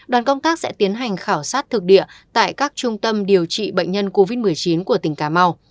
đoàn công tác sẽ tiến hành khảo sát thực địa tại các trung tâm điều trị bệnh nhân covid một mươi chín của tỉnh cà mau